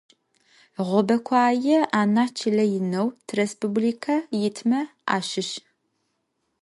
Ğobekhuaê anah çıle yineu tirêspublike yitme aşış.